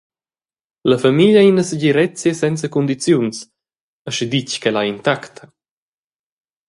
La famiglia ei ina segirezia senza cundiziuns, aschiditg ch’ella ei intacta.